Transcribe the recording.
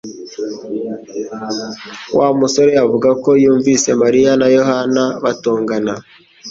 Wa musore avuga ko yumvise Mariya na Yohana batongana